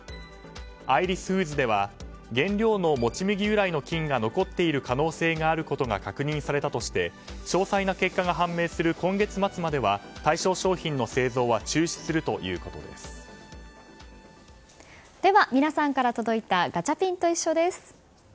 アイリスフーズでは原料のもち麦由来の菌が残っている可能性があることが確認されたとして詳細な結果が判明する今月末までは対象商品の製造はでは、皆さんから届いたガチャピンといっしょ！です。